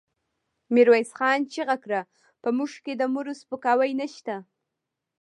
ميرويس خان چيغه کړه! په موږ کې د مړو سپکاوی نشته.